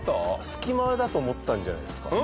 隙間だと思ったんじゃないですか？